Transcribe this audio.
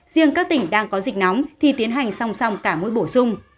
riêng các tỉnh đang có dịch nóng thì tiến hành song song cả mũi bổ sung